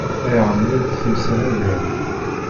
Ay ɛemṛent temsal agraw.